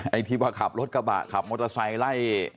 ไอ้ที่ว่าขับรถกระบะขับมอเตอร์ไซค์ไล่